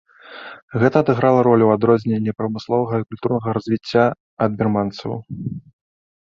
Гэта адыграла ролю ў адрозненні прамысловага і культурнага развіцця ад бірманцаў.